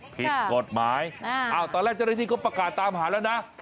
ผิดกฎหมายตอนแรกเจ้าหน้าที่ก็ประกาศตามหาแล้วนะ